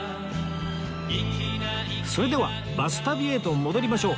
それではバス旅へと戻りましょう